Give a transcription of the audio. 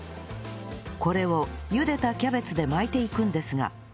これを茹でたキャベツで巻いていくんですが